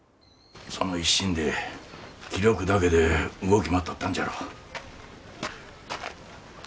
その一心で気力だけで動き回っとったんじゃろう。